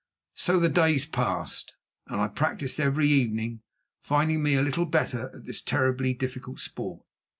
So the days passed, and I practised, every evening finding me a little better at this terribly difficult sport.